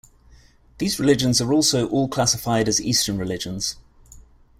These religions are also all classified as Eastern religions.